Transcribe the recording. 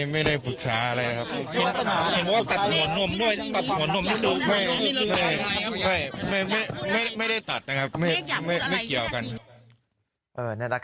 ไม่ได้ตัดนะครับไม่เกี่ยวกัน